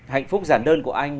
hạnh phúc giản đơn của anh